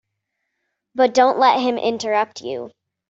But don't let him interrupt you.